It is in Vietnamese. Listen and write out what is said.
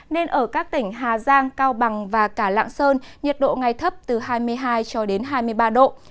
nên ở các tỉnh hà giang cao bằng và cả lạng sơn nhiệt độ ngày thấp từ hai mươi hai cho đến hai mươi ba độ